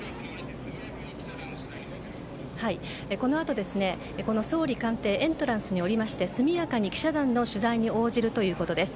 このあと、総理官邸エントランスに降りまして速やかに記者団の取材に応じるということです。